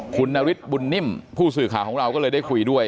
คุณนฤทธิบุญนิ่มผู้สื่อข่าวของเราก็เลยได้คุยด้วย